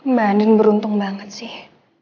mbak nin beruntung banget sih